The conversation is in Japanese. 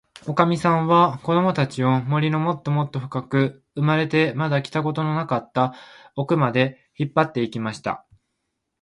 おかみさんは、こどもたちを、森のもっともっとふかく、生まれてまだ来たことのなかったおくまで、引っぱって行きました。